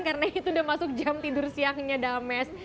karena itu udah masuk jam tidur siangnya dames